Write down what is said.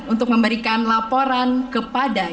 untuk memberikan laporan kepada